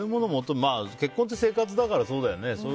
結婚って生活だから、そうだよね。